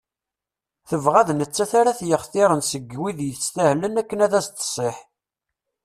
Tebɣa d nettat ara t-yextiren seg wid yestahlen akken ad as-d-tsiḥ.